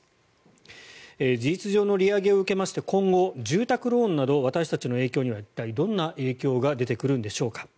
事実上の利上げを受けまして今後、住宅ローンなど私たちには一体どんな影響が出てくるんでしょうか。